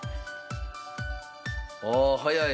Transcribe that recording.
ああ早い。